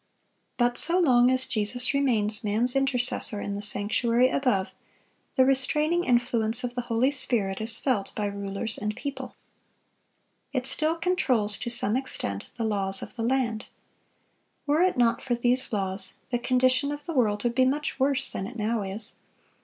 But so long as Jesus remains man's intercessor in the sanctuary above, the restraining influence of the Holy Spirit is felt by rulers and people. It still controls, to some extent, the laws of the land. Were it not for these laws, the condition of the world would be much worse than it now is.